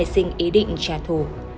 sinh ý định trả thù